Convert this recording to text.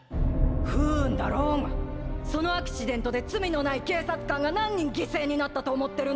不運だろうがそのアクシデントで罪のない警察官が何人犠牲になったと思ってるの？